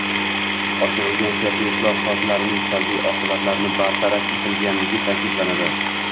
oshirilgan siyosiy islohotlarning salbiy oqibatlarini bartaraf etganligi ta’kidlanadi.